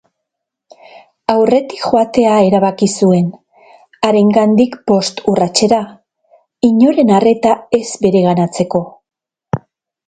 Aurretik joatea erabaki zuen, harengandik bost urratsera, inoren arreta ez bereganatzeko.